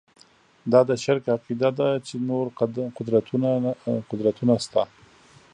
دا د شرک عقیده ده چې نور قدرتونه شته.